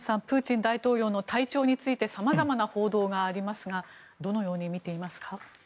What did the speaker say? プーチン大統領の体調について様々な報道がありますがどのように見ていますか。